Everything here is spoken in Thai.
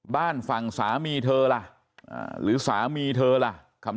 บ้านฝั่งสามีเธอล่ะหรือสามีเธอล่ะคำ